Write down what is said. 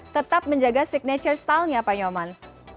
tetap menjaga signature style nya pak nyoman